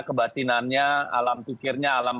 kebatinannya alam pikirnya alam